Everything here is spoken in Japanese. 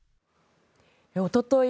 おととい